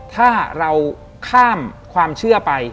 ถ้าเราข้ามความเชื่อไป